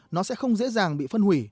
nó sẽ không dễ dàng bị phân hủy